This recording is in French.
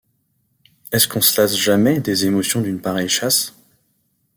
Est-ce qu’on se lasse jamais des émotions d’une pareille chasse ?